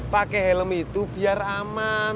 pakai helm itu biar aman